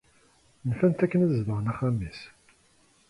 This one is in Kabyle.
Nfan-t akken ad zedɣen axxam-is.